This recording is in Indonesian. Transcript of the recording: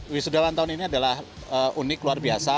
wisudawan tahun ini adalah unik luar biasa